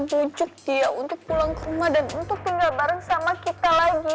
jujuk dia untuk pulang ke rumah dan untuk tinggal bareng sama kita lagi